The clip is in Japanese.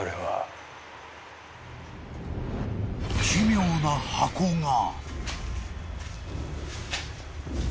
［奇妙な箱が］